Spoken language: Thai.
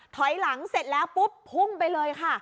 ถอยหลังเสร็จแล้วปุ๊บพุ่งไปเลยค่ะ